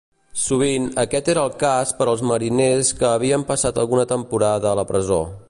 Sovint, aquest era el cas per als mariners que havien passat alguna temporada a la presó.